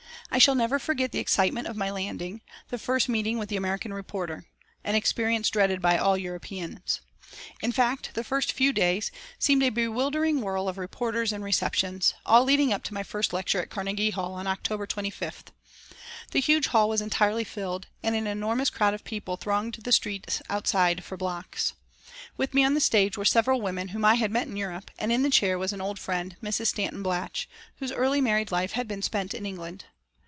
I shall never forget the excitement of my landing, the first meeting with the American "reporter," an experience dreaded by all Europeans. In fact the first few days seemed a bewildering whirl of reporters and receptions, all leading up to my first lecture at Carnegie Hall on October 25th. The huge hall was entirely filled, and an enormous crowd of people thronged the streets outside for blocks. With me on the stage were several women whom I had met in Europe, and in the chair was an old friend, Mrs. Stanton Blatch, whose early married life had been spent in England.